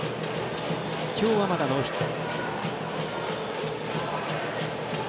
今日は、まだノーヒット。